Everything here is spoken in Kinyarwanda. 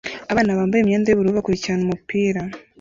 Abana bambaye imyenda yubururu bakurikirana umupira